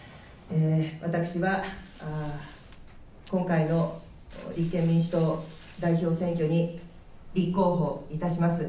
私は今回の立憲民主党代表選挙に立候補いたします。